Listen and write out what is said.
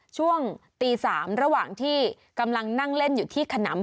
ช่วงตี๓ระหว่างที่กำลังนั่งเล่นอยู่ที่ขนำ